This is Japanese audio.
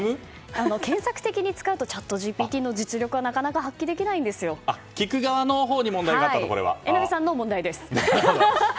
検索的に使わないとチャットＧＰＴの実力は聞く側のほうに榎並さんの問題です。